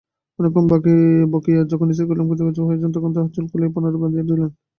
অনেকক্ষণ বকিয়া যখন স্থির করিলেন কৃতকার্য হইয়াছেন তখন তাহার চুল খুলিয়া পুনরায় বাঁধিয়া দিলেন।